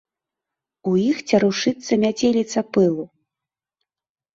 У іх цярушыцца мяцеліца пылу.